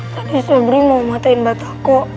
tadi sabri mau matain batako